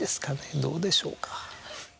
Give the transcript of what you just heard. どうでしょうか？